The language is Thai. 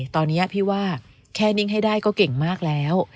ตอนนี้พี่ว่าแค่นิ่งให้ได้ก็เก่งมากแล้ว